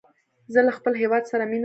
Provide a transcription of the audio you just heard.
زه له خپل هیواد سره مینه لرم.